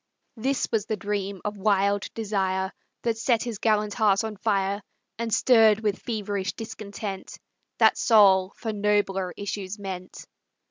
This was the dream of wild desire That set his gallant heart on fire, And stirred with feverish discontent That soul for nobler issues meant.